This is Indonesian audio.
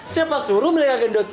siapa suruh mereka gendut hah